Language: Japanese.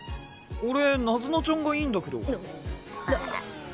俺ナズナちゃんがいいんだけど。